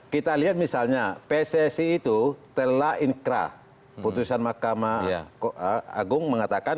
kita lihat misalnya pssi itu telah inkrah putusan mahkamah agung mengatakan